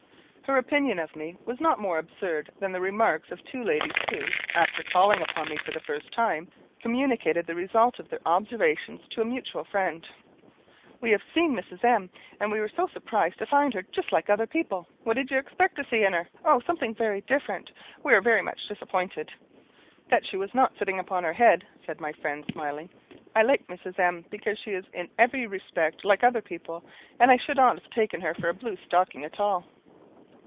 Her opinion of me was not more absurd than the remarks of two ladies who, after calling upon me for the first time, communicated the result of their observations to a mutual friend. "We have seen Mrs. M , and we were so surprised to find her just like other people!" "What did you expect to see in her?" "Oh, something very different. We were very much disappointed." "That she was not sitting upon her head," said my friend, smiling; "I like Mrs. M , because she is in every respect like other people; and I should not have taken her for a blue stocking at all."